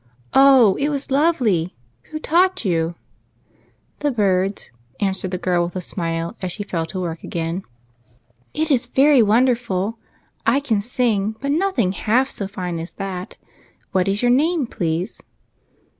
" Oh, it was lovely ! Who taught you ?"" The birds," answered the girl, with a smile, as she fell to work again. TWO GIRLS. 5 «' It is very wonderful ! I can sing, but nothing half 80 fine as that. What is your name, please